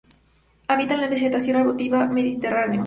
Habita en la vegetación arbustiva Mediterráneo.